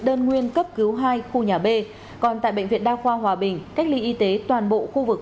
đơn nguyên cấp cứu hai khu nhà b còn tại bệnh viện đa khoa hòa bình cách ly y tế toàn bộ khu vực